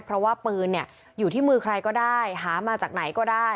เพราะว่าปืนเนี่ยอยู่ที่มือใครก็ได้หามาจากไหนก็ได้